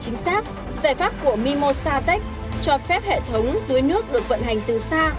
cho nông nghiệp chính xác giải pháp của mimosa tech cho phép hệ thống tưới nước được vận hành từ xa